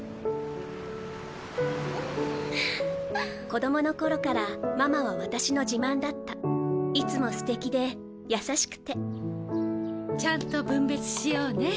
子どもの頃からママは私の自慢だったいつもすてきで優しくてちゃんと分別しようね。